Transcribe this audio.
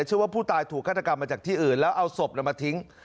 เชื่อว่าผู้ตายถูกฆาตกรรมมาจากที่อื่นแล้วเอาศพมาทิ้ง